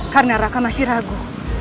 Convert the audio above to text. karena raka masih ragu